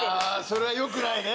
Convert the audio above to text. それはよくないね。